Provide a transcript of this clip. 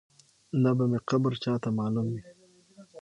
نه به مي قبر چاته معلوم وي